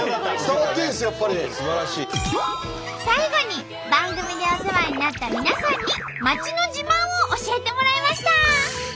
最後に番組でお世話になった皆さんに町の自慢を教えてもらいました。